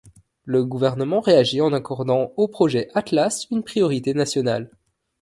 Le gouvernement réagit en accordant au projet Atlas une priorité nationale.